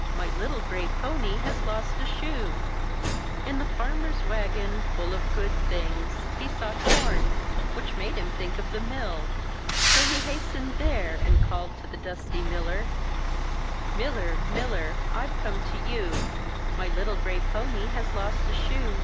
My little gray pony has lost a shoe!" In the farmer's wagon, full of good things, he 95 MY BOOK HOUSE saw corn, which made him think of the mill; so he hastened there, and called to the dusty miller: ^^Miller! Miller! Fve come to you; My little gray pony has lost a shoe.